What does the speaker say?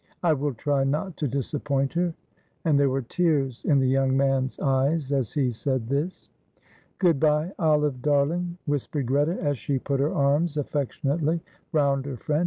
I will try not to disappoint her," and there were tears in the young man's eyes as he said this. "Good bye, Olive darling," whispered Greta, as she put her arms affectionately round her friend.